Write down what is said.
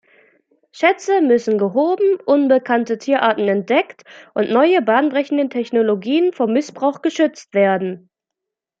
Schätze müssen gehoben, unbekannte Tierarten entdeckt und neue bahnbrechende Technologien vor Missbrauch geschützt werden.